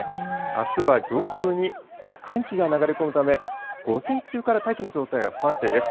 あすは上空に寒気が流れ込むため、午前中から大気の状態は不安定です。